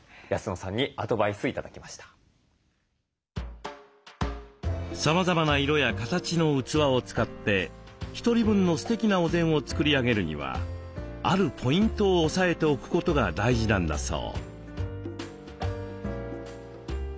さまざまな色や形の器を使って１人分のすてきなお膳を作り上げるにはあるポイントを押さえておくことが大事なんだそう。